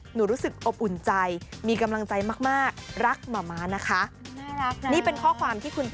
รู้สึกอบอุ่นใจมีกำลังใจมากรักหมาม้านะคะ